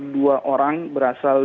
dua orang berasal